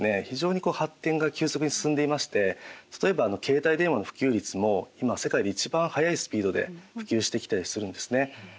非常に発展が急速に進んでいまして例えば携帯電話の普及率も今世界で一番速いスピードで普及してきたりするんですね。